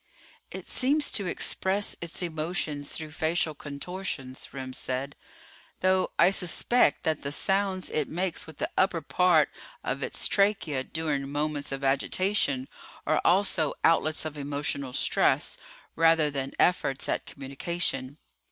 "It seems to express its emotions through facial contortions," Remm said. "Though I suspect that the sounds it makes with the upper part of its trachea during moments of agitation are also outlets of emotional stress, rather than efforts at communication."